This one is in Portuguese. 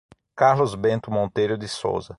Carlos Bento Monteiro de Souza